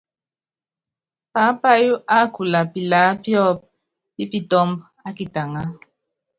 Paápayɔ́ á kula pilaá piɔ́p pi putɔ́mb á kitaŋá.